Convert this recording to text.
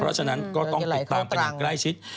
เพราะฉะนั้นก็ต้องติดตามกันอย่างใกล้ชิด